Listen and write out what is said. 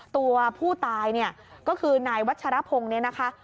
ตัวผู้ตายเนี่ยก็คือนายวัชรพงศ์เนี่ยนะคะ